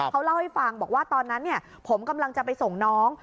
เขาเล่าให้ฟังบอกว่าตอนนั้นผมกำลังจะไปส่งน้อง